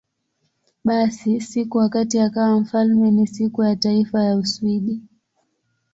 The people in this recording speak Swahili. Basi, siku wakati akawa wafalme ni Siku ya Taifa ya Uswidi.